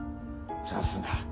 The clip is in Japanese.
さすが。